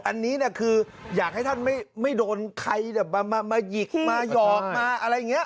อันนี้คืออยากให้ท่านไม่โดนใครมาหยิกมาหยอกมาอะไรอย่างนี้